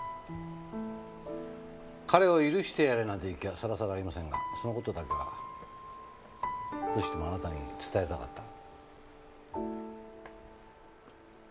彼を許してやれなんて言う気はさらさらありませんがその事だけはどうしてもあなたに伝えたかった。